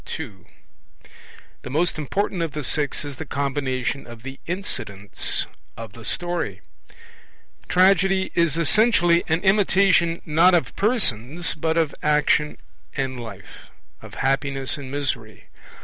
II. The most important of the six is the combination of the incidents of the story. Tragedy is essentially an imitation not of persons but of action and life, of happiness and misery.